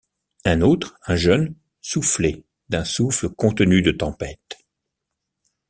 Un autre, un jeune, soufflait, d’un souffle contenu de tempête.